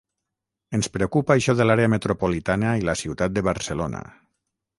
Ens preocupa això de l’àrea metropolitana i la ciutat de Barcelona.